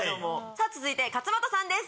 さぁ続いて勝俣さんです。